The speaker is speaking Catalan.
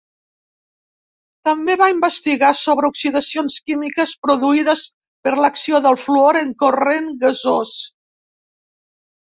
També va investigar sobre oxidacions químiques produïdes per l'acció del fluor en corrent gasós.